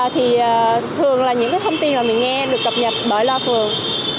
thì thường là những cái thông tin mà mình nghe được cập nhật bởi la phường